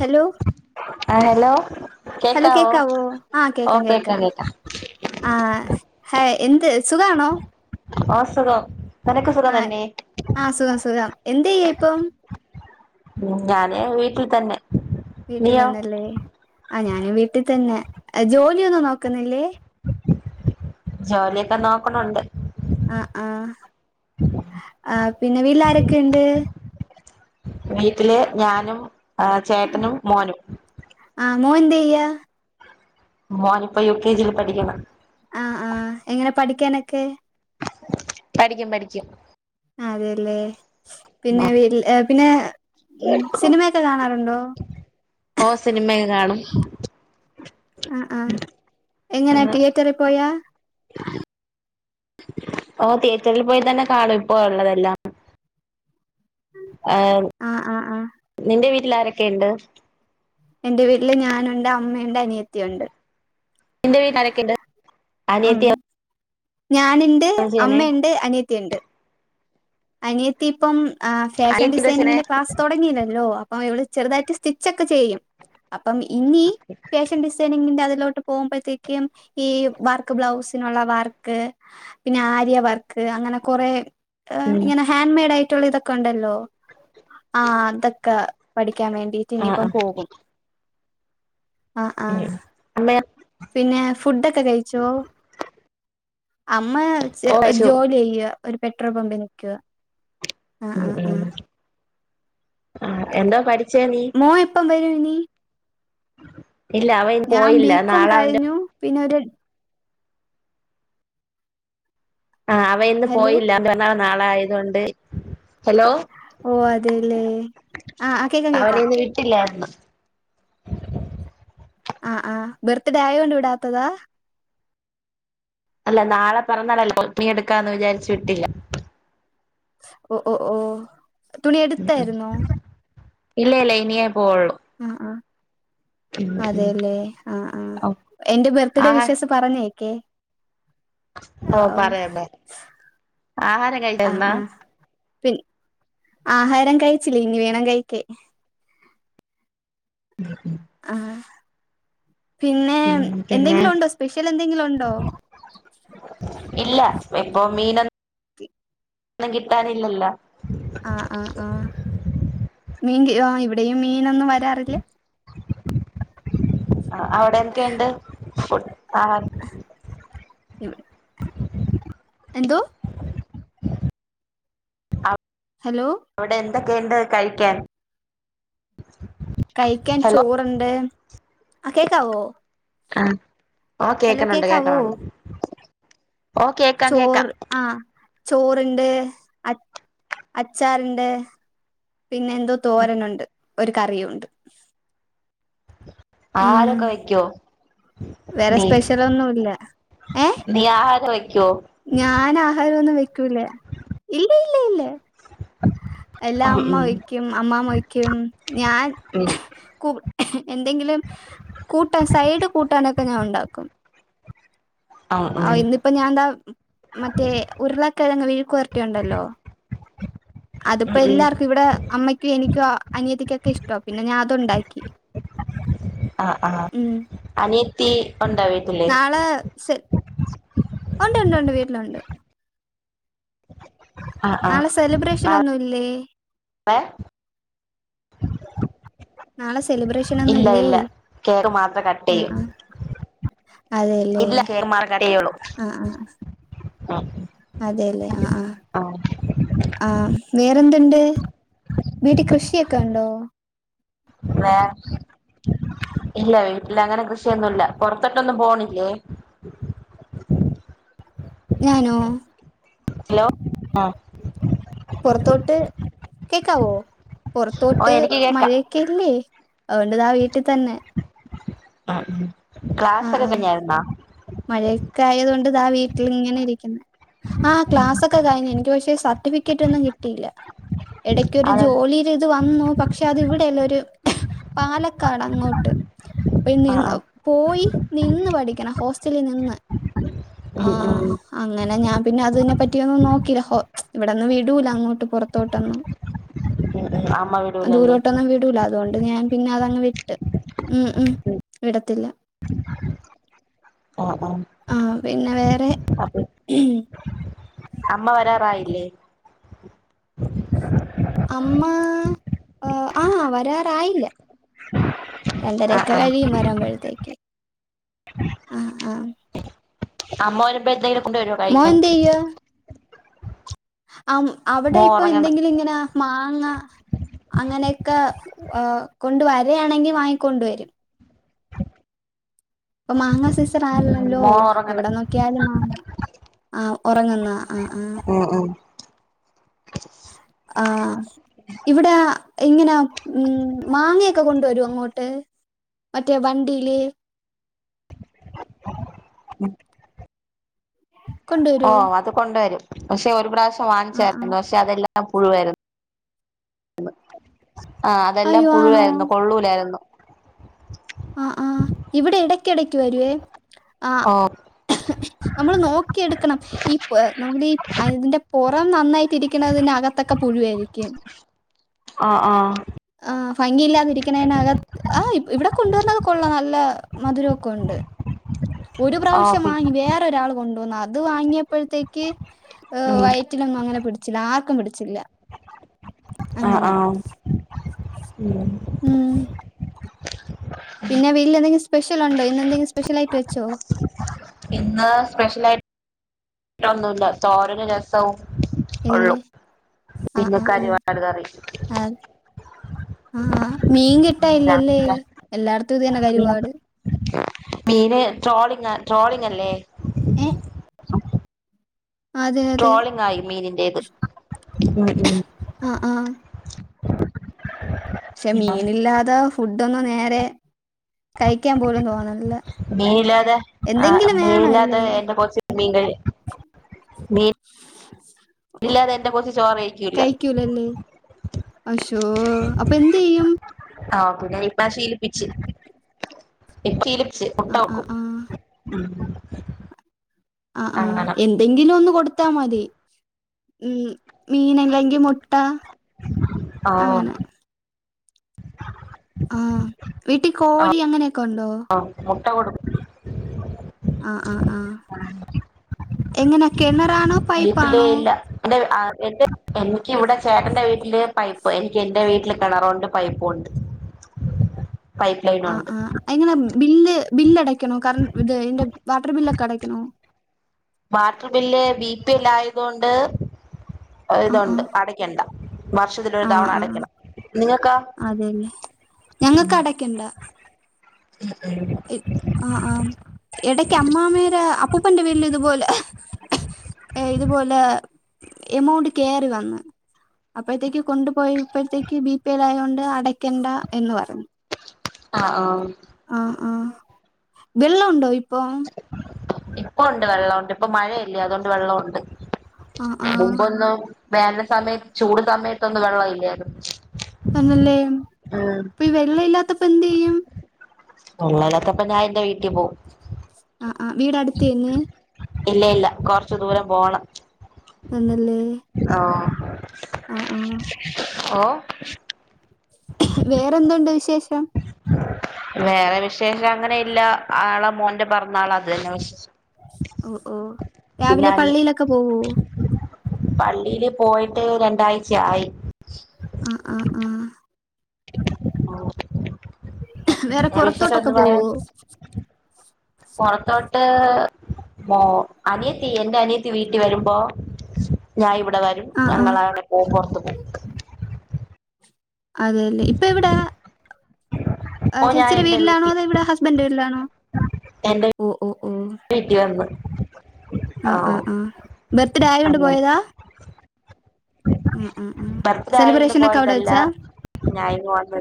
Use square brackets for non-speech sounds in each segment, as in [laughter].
Hello ആ hello hello കേക്കാവോ ആ ഓ കേക്കാ കേക്കാ കേക്കാം കേക്കാം ആ ഹായ് എന്ത് സുഖാണോ ആ സുഖം നിനക്ക് സുഖം ആ തന്നെ ആ സുഖം സുഖം എന്ത് ചെയ്യാ ഇപ്പം ഉം ഞാനേ വീട്ടിൽ തന്നെ വീട്ടി നീയോ തന്നല്ലേ ആ ഞാന് വീട്ടിൽ തന്നെ ജോലിയൊന്നും നോക്കുന്നില്ലേ ജോലിയൊക്കെ നോക്കണൊണ്ട് ങാ ങാ ആ പിന്നെ വീലാരൊക്കെ ഒണ്ട് വീട്ടില് ഞാനും ആ ചേട്ടനും മോനും ആ മോൻ എന്ത് ചെയ്യാ മോൻ ഇപ്പൊ യു കെ ജി ല് പഠിക്കണ് ങാ ങാ എങ്ങനെ പഠിക്കാനൊക്കെ പഠിക്കും പഠിക്കും അതേല്ലേ പിന്നെ വീ പിന്നെ ഹ്മ്മ് സിനിമയൊക്കെ കാണാറുണ്ടോ? ഓ സിനിമയൊക്കെ [inaudible] ആഹ് ആഹ് എങ്ങനാ തിയേറ്ററിൽ പോയാ ഓ തിയേറ്ററിൽ പോയി തന്നെ കാണും ഇപ്പോ ഉള്ളതെല്ലാം. ഏഹ്, ആഹ് ആഹ് ആഹ് നിന്റെ വീ ട്ടിലാരൊക്കെ ഇണ്ട്? എന്റെ വീട്ടില് ഞാനുണ്ട് അമ്മയുണ്ട് അനിയത്തിയുണ്ട്. നിന്റെ വീട്ടി ആരൊക്കെയുണ്ട്. അനിയത്തിയാ ഞാന്ണ്ട് അമ്മയ്ണ്ട് അനിയത്തിയുണ്ട്. അനിയത്തി ഇപ്പം ആഹ്, ഫാഷൻ അനിയത്തി എന്താ ചെയ്യണേ ഡിസൈനിങ്ങിന്റെ ക്ലാസ് തുടങ്ങിയില്ലല്ലോ അപ്പൊ ഇവള് ചെറുതായിട്ട് സ്റ്റിച്ചൊക്കെ ചെയ്യും. അപ്പം ഇനി ഫാഷൻ ഡിസൈനിങ്ങിന്റെ അത് ലോട്ട് പോകുമ്പഴ്ത്തേക്കും ഈ വർക്ക് ബ്ലൗസിനുള്ള വർക്ക്, പിന്നെ ആര്യ വർക്ക് അങ്ങനെ കൊറെ ഏഹ്, ഉം ഇങ്ങനെ ഹാൻമെയിഡായി ട്ടുള്ള ഇതൊക്കെ ഉണ്ടല്ലോ, ആഹ് അതൊക്കെ പഠി ക്കാൻ വേണ്ടിയിട്ട് ആ ഇനിയിപ്പം ആ പോകും. ആഹ്, ഉം ആഹ്, അമ്മയോ പിന്നെ ഫുഡൊക്കെ കഴിച്ചോ? അമ്മ ചെ ഓ ഒരു അയച്ചു ജോലിയ്യാ ഒരു പെട്രോൾ പമ്പില്. [unintelligible] ഹ്മ്മ്, ഹ്മ്മ് [inaudible] മോൻ എപ്പം വരും ഇനി [inaudible] ഇന്ന് ഞാൻ പോയില്ല ബികോം നാളെ അവന്റെ കഴിഞ്ഞു. പിന്നെ ഒര് ആഹ്, അവയിന്ന് ഹലോ പോയില്ല. [unintelligible] നാളെ ആയത്കൊണ്ട് ഓ അതെല്ലേ, ആഹ് കേക്കാം അവനെ കേക്കാം. ഇന്ന് [inaudible] ആഹ് ആഹ് ബെർത്ത്ഡേ ആയൊണ്ട് വിടാത്തതാ അല്ല നാള പിറന്നാളല്ലോ, [unintelligible] എടുക്കാന്ന് വിചാരിച്ച് വിട്ടില്ല. ഒ ഓ ഓഹ് തുണി എട്ത്തായിര്ന്നോ? ഇല്ല ഇല്ല ഇനിയെ അ ആ. അതെ ലെ ആ ആ എന്റെ ബർത്ത്ഡേ ആഹാ വിസസ് പറഞ്ഞേക്കേ. ഓ പറയാം പറയാം ആഹാരം കഴിച്ചായ്ര്ന്നോ പിൻ ആഹാരം കഴിച്ചില്ല ഇനി വേണം കഴിക്കാൻ ആ പിന്നെ ഉം പിന്നെ എന്തെങ്കിലും ഒണ്ടോ സ്പെഷ്യൽ എന്തെങ്കിലും ഒണ്ടോ ഇല്ല ഇപ്പൊ മീനൊന്നും കിട്ടാനില്ലല്ലോ ആ ആ ആ [unintelligible] ആ ഇവിടെയും മീനൊന്നും വരാറില്ലേ അ അവിടെക്കെ ഇണ്ട് ഫു ആഹാരം ഇവ- എന്തോ ഹലോ ന്തെക്കെ ഇണ്ട് കഴിക്കാൻ കഴിക്കാൻ ഹലോ ചോറ്ണ്ട് ആ കേക്കാവോ ആ ഓ ഹലോ കേക്ക്ണുണ്ട് കേക്ക്ണുണ്ട് ചോർ ആ ചോറ്ണ്ട് അച്ച് അച്ചാറ്ണ്ട് പിന്നെ എന്തോ തോരനുണ്ട് ഒരു കറിയുംണ്ട് ആഹാരൊക്കെ വെക്യൊ വേറെ നീ സ്പെഷ്യലൊന്നുല്ല ഏഹ് നീ ആഹാര വെ ഞാൻ ആഹാരൊന്നും വെ ക്കൂല ഇല്ല ഇല്ല ഇല്ല എല്ലാം ഉം അമ്മ ഉം വെക്യും അമ്മാമ വെക്യും ഞാൻ ഉം കൂ എന്തെങ്കിലും കൂട്ടാൻ സൈഡ് കൂട്ടാനൊക്കെ ഞാഒണ്ടാക്കും ആഹ് ഉം ആ ഇന്ന്പ്പം ഞാൻന്താ മറ്റേ ഉര്ളക്കെഴങ്ങ് വിഴ്ക്കു പെർട്ടെ ഇണ്ടല്ലോ ഉം അതിപ്പം ഉം എല്ലാർക്കും ഇവിടെ അമ്മക്കും എനിക്കോ അനിയതിക്കൊക്കെ ഇഷ്ടവാ പിന്നെ ഞാൻ അതുണ്ടാക്കി ഉം ത്തി നാളെ സ് ഉണ്ടു ണ്ടു ണ്ട് വീട്ടിലുണ്ട് ആഹ് ആഹ് നാളെ നാളെ സെലിബ്രേഷനൊന്നുല്ലേ നാളെ സ് ഇല്ല ഇല്ല കേക്ക് മാത്ര കട്ട് ആ ചെയ്യൂ ആ അതെല്ലേ ഇല്ല കേക്ക് മാത്രേ കട്ട് ചെയ്യുള്ളൂ ആ ആ ഉം അതെല്ലേ ആ ആ ആ വേറെ എന്തുണ്ട് വീട്ടിൽ കൃഷിയൊക്കെണ്ടോ വേ ഇല്ല വീട്ടിലങ്ങനെ കൃഷിയൊന്നുല്ല പൊറത്തോട്ടൊന്നും പോണില്ലേ? ഞാനോ ഹലോ ആ പുറത്തോട്ട് കേക്കാവോ ഓ പുറത്തോട്ട് എനിക്ക് കേക്കാം മഴയൊക്കെല്ലേ അതൊണ്ടതാ വീട്ടിൽ തന്നെ ആ ക്ലാസ് ഒക്കെ കഴിഞ്ഞായിരുന്നൊ? ക്കെ ആയത് കൊണ്ട് ഇതാ വീട്ടിലിങ്ങനെ ഇരിക്കണു ആ ക്ലാസ്സൊക്കെ കഴിഞ്ഞു എനിക്ക് പക്ഷെ സർട്ടിഫിക്കറ്റൊന്നും കിട്ടിയില്ല എടക്ക് ഒരു അതെ ജോലിയിടെ ഇത് വന്നു പക്ഷെ അത് ഇവിടെയല്ല ഒരു പാല ക്കാടങ്ങോട്ട് അപ്പൊ ആഹ് ആഹ് ന്ന് പോയി നിന്ന് പഠിക്കണ ഹോസ്റ്റലിൽ നിന്ന് ആ ഉം ഉം അങ്ങനെ ഞാൻ പിന്നെ അതിനതിനെപ്പറ്റിയൊന്നും നോക്കില്ല ഹോ ഇവിടെന്നും വിടൂല അങ്ങോട്ട് പൊറത്തോട്ടൊന്നും ഉം ഉം അമ്മ വിടൂലല്ലേ ദൂരോട്ടൊന്നും വിടൂല അതോണ്ട് ഞാൻ പിന്നെ അതങ്ങ് വിട്ട് ഉം ഉം വിടത്തില്ല ആ ആ പിന്നെ വേറെ അമ്മ വരാറായില്ലേ? അമ്മ അ ആ വരാറായില്ല. ആഹ് രണ്ടരൊക്കെ ആഹ് കഴിയും വരാമ്പോഴത്തേക്ക് ആ ആ അമ്മ വരുമ്പോ എന്തേലും കൊണ്ടുവരോ മോ കഴിക്കാൻ എന്ത് ആ അവിടെ മോൻ ഇപ്പൊ ഒറങ്ങണ് എന്തെങ്കിലും ഇങ്ങനെ മാങ്ങ അങ്ങനെയൊക്കെ ഏ കൊണ്ട് വരയാണെങ്കിൽ വാങ്ങിക്കൊണ്ടുവരും ഇപ്പൊ മാങ്ങ സീസ [unintelligible] ആണല്ലോ മോൻ ഒറങ്ങണ് എവിടെ നോക്കിയാലും മാങ്ങ ഒറങ്ങുന്നൊ ആ ആ ഉം ഉം ആ ഇവിടെ ഇങ്ങനെ ഉം മാങ്ങയൊക്കെ കൊണ്ടുവരോ അങ്ങോട്ട് മറ്റേ വണ്ടിയില് ഓ കൊണ്ടുവരുവോ അത് കൊണ്ടോരും പക്ഷെ ഒരു പ്രാവശ്യം ആ ആ വാങ്ങിച്ചായിരുന്നു ക്ഷെ അതെല്ലാം ല്ലാം പുഴുവായിരുന്നു ആ അതെല്ലാം അയ്യോ ആണോ പുഴുവായിരുന്നു കൊള്ളൂല്ലായിരുന്നു [inaudible] ആ ആ ഇവിടെ എടയ്ക്കിടയ്ക്ക് വരുവേ ആ ഓഹ് നമ്മള് നോക്കിയെടുക്കണം ഈ നമെ ഈ അതിന്റെ പോ റം നന്നായിട്ട് ഇരിക്കുന്നതിന് അകത്തൊക്കെ പുഴുവായിരിക്കും ആ ആ ആ ഭംഗിയില്ലാതിരിക്കണതിനകത്ത് ആ ഇ- ഇവിടെ കൊണ്ടുവന്നതൊക്കെ കൊള്ള നല്ല മധുരൊക്കെ ഉണ്ട് ഒരു ആഹ് പ്രാവശ്യം പി വാങ്ങി വേറൊരാൾ കൊണ്ടുവന്നാ ത് വാങ്ങിയപ്പോഴത്തേക്ക് ഹ് ഉം വയറ്റിലൊന്നും അങ്ങനെ പിടിച്ചില്ല ആർക്കും പിടി ച്ചില്ല ആ ആ [inaudible] ഉം പിന്നെ വീട്ടിൽ എന്തെങ്കിലും സ്പെഷ്യൽ ഉണ്ടോ ഇന്ന് എന്തെങ്കിലും സ്പെഷ്യൽ ആയിട്ട് വെച്ചോ ഇന്ന് സ്പെഷ്യലാ യിട്ടൊന്നുല്ല തോരനും രസോം ഒള്ളു ഇല്ലേ ആ പിന്നെ ആ [unintelligible] ആ കറി മീ കിട്ട്- ട്ടലില്ലല്ലേ എല്ലാട്ത്തും ഇതന്നെ കരിപാട് മീന് ട്രോളിങ് ട്രോളിങ് അല്ലേ ഏ [inaudible] അതെ അതെ ട്രോളിങ് ആയി മീനിന്റേത് ഉം ഉം ആ ആ പക്ഷെ ഉം മീനില്ലാതെ ഫുഡ് ഡോന്ന് നേരെ കഴിക്കാൻ പോലും തോന്നണല്ല മീനില്ലാതെ എന്തെങ്കിലും വേണല്ലേ മീ കഴി മീൻ ഓ ഇല്ലാതെ എന്റെ കൊച്ച് ചോറ് കഴിക്കൂല്ല കഴിക്കൂലല്ലേ അശോ അപ്പൊ എന്ത് ചെയ്യും ആ ഓക്കെ ഞാൻ ഇപ്പാ ശീലിപ്പിച്ച് ഇപ്പ ശീ ച്ച് ആ ആ ഉട്ടോക്കും ആ ആ ആ അങ്ങനെ എന്തെങ്കിലും ഒന്ന് കൊ കൊടുത്താ മതി ഉം മീനല്ലങ്കി മുട്ട ആഹ് അങ്ങനെ ആഹ് വീട്ടിൽ കോഴി അങ്ങനെ ഒക്കെ ണ്ടോ ട്ട കൊട് ആഹ് ആഹ് ആഹ് എങ്ങനെ കിണറാണോ പൈപ്പാണോ ആ എ എനിക്കിവിടെ ചേട്ടൻറെ വീട്ടില് പൈപ്പ് എനിക്ക് എൻറെ വീട്ടില് കിണറുണ്ട് പൈപ്പുംണ്ട് ആ ആ എങ്ങനെ ബില്ല് ബില്ല് അടക്കണോ കറണ്ട് ഇത് ഇന്റെ വാട്ടർ ബില്ഒക്കെ അടക്കണോ വാട്ടർ ബില്ല് വീട്ടിലായതോണ്ട് ആഹ് ഇതുണ്ട് ആഹ് അടക്കണ്ട വർഷത്തില ഒരു ആഹ് തവണ ആഹ് അടക്കണം നിങ്ങൾക്കാ അതെല്ലേ ആ ആഹ് ഇടക്ക് അമ്മാമേരെ അപ്പൂപ്പന്റെ വീട്ടില് ഇതുപോലെ ഇതുപോലെ എമൗണ്ട് കയറി വന്ന അപ്പോഴത്തേക്ക് കൊണ്ടുപോയി ഇപ്പോഴത്തേക്ക് ബിപേയില ആയ കൊണ്ട് അടക്കണ്ട എന്ന് പറഞ്ഞു ആ ആ ആ ആഹ് വെള്ളം ഉണ്ടോ ഇപ്പൊ ഇപ്പൊ ഉണ്ട് വെള്ളം ഉണ്ട് ഇപ്പൊ മഴയില്ലേ അതുകൊണ്ട് വെള്ളംണ്ട് ആഹ് ആഹ് മുമ്പന്നും വേനൽ സമയത്ത് ചൂട് സമയത്തൊന്നും വെള്ളം ഇല്ലായിരുന്നു എന്നല്ലേ ഉം അപ്പൊ ഈ വെള്ള ഇല്ലാത്തപ്പ എന്ത് ചെയ്യും ഇല്ലാത്തപ്പോ ഞാൻ എൻറെ വീട്ടിൽ പോവും ആ വീട അടുത്തി തന്നെ ഇല്ല ഇല്ല കൊറച്ചു ദൂരം പോണം എന്നല്ലേ ആഹ് ആഹ് ആഹ് ഓ വേറെന്തതുണ്ട് വിശേഷം വേറെ വിശേഷം അങ്ങനെ ഇല്ല ആളെ മോന്റെ പറന്നാളാ അത് തന്നെ വിശേഷം ഓ ഓ പിന്നെ രാവിലെ അനി പള്ളിയിലൊക്കെ പോവോ പള്ളിയില് പോയിട്ട് രണ്ടാഴ്ച ആയി ആ ആ ആ ആ വേറെ പുറത്തോട്ടൊക്കെ പോകുവോ പുറത്തോട്ട് പോ അനിയത്തി യെന്റെ അനിയത്തി വീട്ടി വരുമ്പോ ഞാൻ ഇവിട ഇവിടെവരും ആഹ് ആഹ് ഞങ്ങളവിടെ പോം പുറത്തുപോം അതെയല്ലേ ഇപ്പെവിടാ ഇപ്പോ ഞാൻ ചേച്ചീടെ എന്റെ വീട്ടിലാണോ വീട്ടിൽ അതോയിവിടെ ഹസ്ബൻഡിന്റെ വീട്ടിലാണോ ഓ ഓ വീട്ടിവന്ന് സൂപ്പർ അ ആ അബർത്ത്ഡേ ആയതൊണ്ട് അങ്ങനെ പോയതാ ആഹ് ആഹ് ആഹ് ബർത്ത്ഡേ ആയോണ്ട് സെലിബ്രേഷൻ ഒക്കെ അവിടെ പോയതല്ല വെച്ചാ ഞാനിങ്ങ് വന്ന്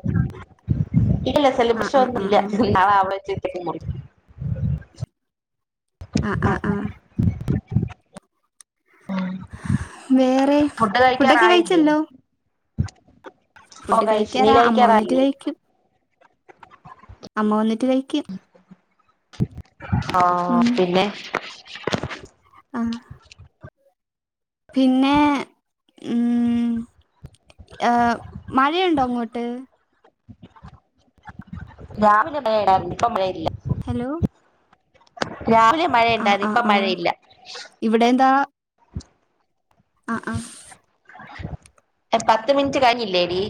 ഇല്ല ആഹ് സെലിബ്രേഷൻ ആഹ് ഒന്നും ആഹ് ഇല്ല ആഹ് കേട്ടില്ല അ.. അ.. ആ വേറെ, ഫുഡ് ഫുഡൊക്കെ കഴിക്കാറായില്ലേ കഴിച്ചല്ലോ ഓ കഴിച്ചു നീ ഫുഡ്കഴിക്കാറാ, അമ്മ വന്നിട്ട് കഴിക്കാറായില്ലേ കഴിക്കും അമ്മ വന്നി ട്ട് കഴിക്കും. ആ.. ഉം പിന്നെ ആ പിന്നേ ഉം.. ഏഹ് മഴയുണ്ടോ അങ്ങോട്ട് രാവിലെ മഴയുണ്ടായിരുന്നു. ഇപ്പം മഴയില്ല. ഹലോ രാവിലെ ആഹ് മഴയുണ്ടായിരുന്നു. ആഹ് ആഹ് ഇപ്പംമഴയില്ല അ.. ആ.. പത്തുമിനിറ്റ് കഴിഞ്ഞില്ലേ ടീ